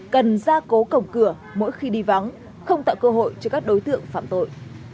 cần ra cố cổng cửa mỗi khi đi vắng không tạo cơ hội cho các đối tượng phạm tội